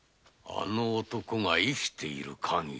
あの男が生きているかぎり